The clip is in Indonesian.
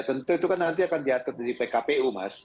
tentu itu kan nanti akan diatur di pkpu mas